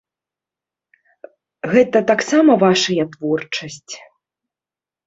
Гэта таксама вашая творчасць?